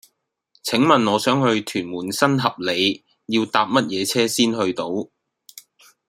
請問我想去屯門新合里要搭乜嘢車先去到